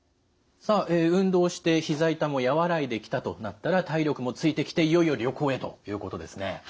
さあ運動してひざ痛も和らいできたとなったら体力もついてきていよいよ旅行へということですね。